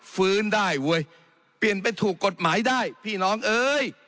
ฟื้นได้เว้ยเปลี่ยนไปถูกกฎหมายได้พี่น้องเอ้ย